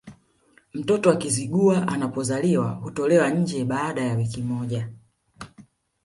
Mtoto wa Kizigua anapozaliwa hutolewa nje baada ya wiki moja